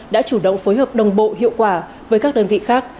đã chủ động phối hợp đồng bộ hiệu quả với các đơn vị khác